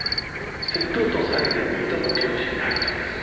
窃盗と詐欺で２度も刑務所に入ったんです。